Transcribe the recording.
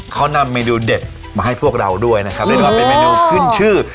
เขานำเมนูเด็ดมาให้พวกเราด้วยนะครับเป็นเมนูขึ้นชื่อ